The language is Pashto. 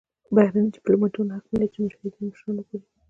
بهرني دیپلوماتان حق نلري چې د مجاهدینو مشران وګوري.